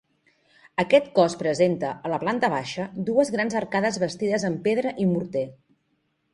Aquest cos presenta, a la planta baixa, dues grans arcades bastides amb pedra i morter.